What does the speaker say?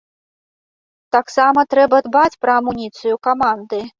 Таксама трэба дбаць пра амуніцыю каманды.